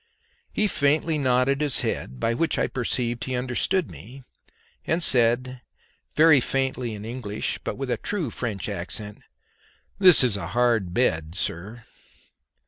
He faintly nodded his head, by which I perceived he understood me, and said very faintly in English, but with a true French accent, "This is a hard bed, sir."